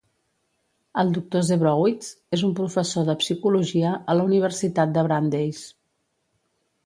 El Doctor Zebrowitz és un professor de psicologia a la Universitat de Brandeis.